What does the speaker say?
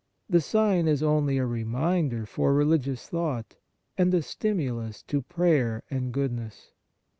The sign is only a reminder for religious thought, and a stimulus to prayer and goodness.